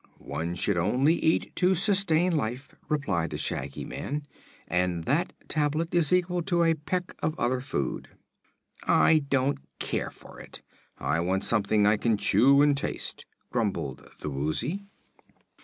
"One should only eat to sustain life," replied the Shaggy Man, "and that tablet is equal to a peck of other food." "I don't care for it. I want something I can chew and taste," grumbled the Woozy.